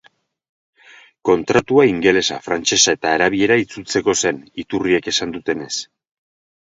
Kontratua ingelesa, frantsesa eta arabiera itzultzeko zen, iturriek esan dutenez.